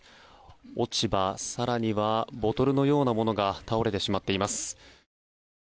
落ち葉、更にはボトルのようなものが倒れてしまっています。